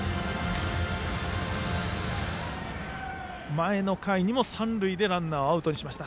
前の回にも三塁でランナーをアウトにしました。